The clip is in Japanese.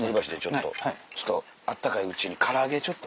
ちょっと温かいうちに唐揚げちょっと。